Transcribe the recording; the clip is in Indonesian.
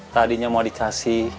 tadinya mau dikasih